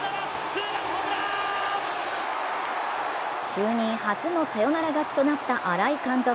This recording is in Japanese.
就任初のサヨナラ勝ちとなった新井監督。